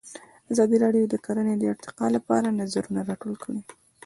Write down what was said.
ازادي راډیو د کرهنه د ارتقا لپاره نظرونه راټول کړي.